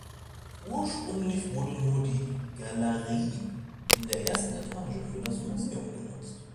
Ursprünglich wurde nur die "Galerie" in der ersten Etage für das Museum genutzt.